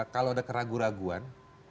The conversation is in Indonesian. kalau ada keraguan keraguan